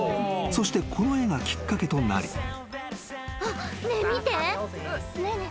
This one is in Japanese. ［そしてこの絵がきっかけとなり］